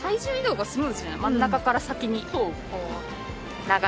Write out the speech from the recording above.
真ん中から先に。